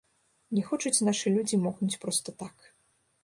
Не хочуць нашы людзі мокнуць проста так.